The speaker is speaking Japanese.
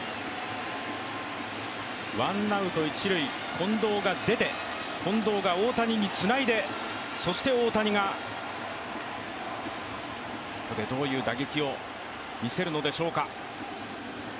近藤が出て、近藤が大谷につないで、そして大谷がここでどういう打撃を見せるのでしょうか。